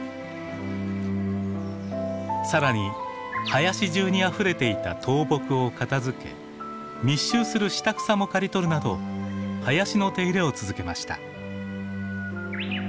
更に林中にあふれていた倒木を片づけ密集する下草も刈り取るなど林の手入れを続けました。